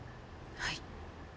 はい。